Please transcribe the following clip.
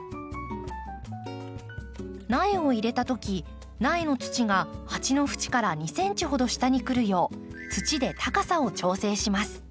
苗を入れた時苗の土が鉢の縁から２ｃｍほど下にくるよう土で高さを調整します。